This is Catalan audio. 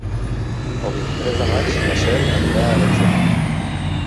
El vint-i-tres de maig na Cel anirà a Arenys de Mar.